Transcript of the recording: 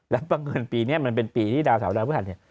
แล้วประเงินปีนี้มันเป็นปีที่ดาวสาวดาวพระธรรมเนี่ย